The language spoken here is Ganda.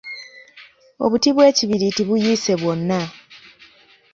Obuti bw’ekibiriiti buyiise bwonna.